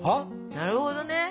なるほど？